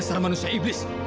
dasar manusia iblis